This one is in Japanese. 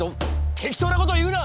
適当なことを言うな！